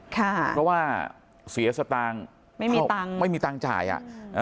เพราะว่าเสียสตางค์ไม่มีตังค์จ่ายอ่ะ